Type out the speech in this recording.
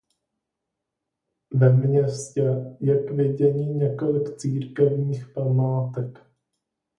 Ve městě je k vidění několik církevních památek.